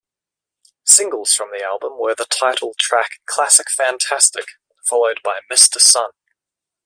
Singles from the album were the title track "Classic Fantastic" followed by "Mr Sun".